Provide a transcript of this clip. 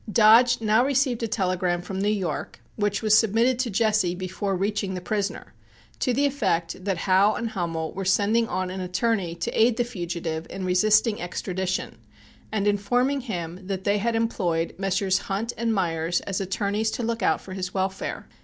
Dodge now received a telegram from New York, which was submitted to Jesse before reaching the prisoner, to the effect that Howe and Hummel were sending on an attorney to aid the fugitive in resisting extradition, and informing him that they had employed Messrs. Hunt and Meyers as attorneys to look out for his welfare.